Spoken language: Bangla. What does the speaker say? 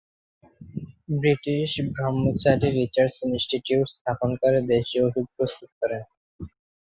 তিনি ব্রহ্মচারী রিসার্চ ইনস্টিটিউট স্থাপন করে দেশী ওষুধ প্রস্তুত করেন।